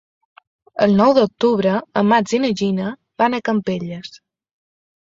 El nou d'octubre en Max i na Gina van a Campelles.